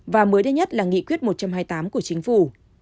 và mới đây nhất là nghị quyết một trăm hai mươi tám của chính phủ